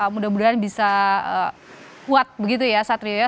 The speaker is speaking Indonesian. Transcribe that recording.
mudah mudahan bisa kuat begitu ya satrio ya